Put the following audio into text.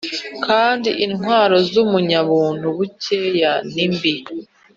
Kandi intwaro z umunyabuntu buke ni mbi